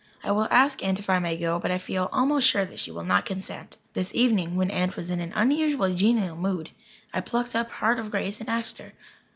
I will ask Aunt if I may go, but I feel almost sure that she will not consent." This evening, when Aunt was in an unusually genial mood, I plucked up heart of grace and asked her.